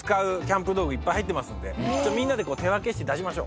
みんなで手分けして出しましょう。